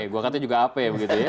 gua katanya juga ap begitu ya